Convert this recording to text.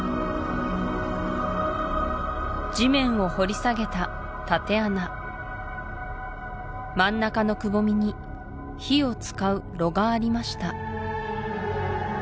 地面を掘り下げた竪穴真ん中のくぼみに火を使う炉がありました